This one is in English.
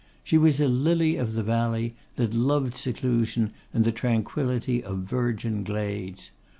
She was a lily of the valley, that loved seclusion and the tranquillity of virgin glades.